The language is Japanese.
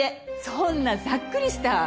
そんなざっくりした！